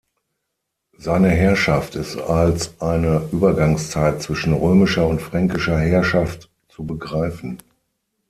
Seine Herrschaft ist als eine Übergangszeit zwischen römischer und fränkischer Herrschaft zu begreifen.